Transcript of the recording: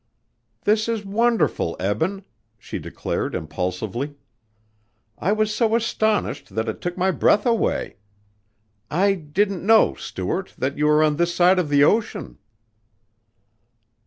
"This is wonderful, Eben," she declared impulsively. "I was so astonished that it took my breath away. I didn't know, Stuart, that you were on this side of the ocean."